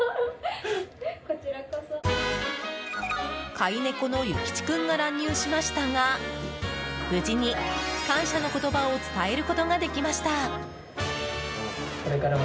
飼い猫のゆきち君が乱入しましたが無事に感謝の言葉を伝えることができました。